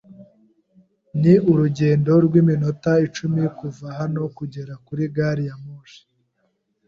Ni urugendo rw'iminota icumi kuva hano kugera kuri gari ya moshi